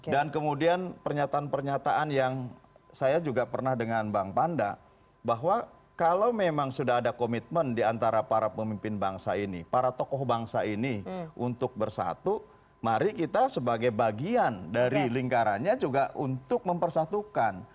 dan kemudian pernyataan pernyataan yang saya juga pernah dengan bang panda bahwa kalau memang sudah ada komitmen di antara para pemimpin bangsa ini para tokoh bangsa ini untuk bersatu mari kita sebagai bagian dari lingkarannya juga untuk mempersatukan